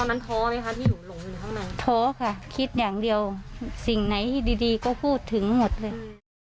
ท้อไหมคะที่หนูหลงอยู่ข้างในท้อค่ะคิดอย่างเดียวสิ่งไหนที่ดีก็พูดถึงหมดเลย